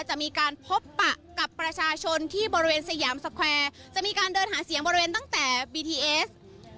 จะมีการพบปะกับประชาชนที่บริเวณสยามสแควร์จะมีการเดินหาเสียงบริเวณตั้งแต่บีทีเอส